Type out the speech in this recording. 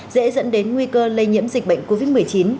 dễ dẫn đến nguy cơ lây nhiễm dịch bệnh covid một mươi chín